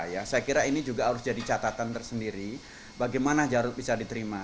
saya kira ini juga harus jadi catatan tersendiri bagaimana jarod bisa diterima